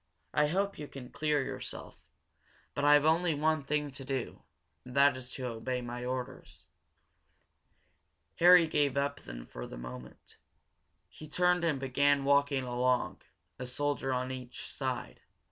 I hope you can clear yourself. But I've only one thing to do and that is to obey my orders." Harry gave up, then, for the moment. He turned and began walking along, a soldier on each side.